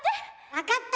分かった！